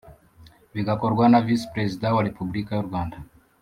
bigakorwa na Visi Perezida wa repubulika yu Rwanda